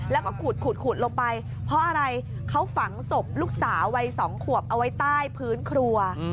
แล้วก็ขุดลงไปเพราะอะไรเขาฝังศพลูกสาววัย๒ขวบเอาไว้ใต้พื้นครัว